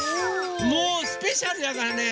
もうスペシャルだからね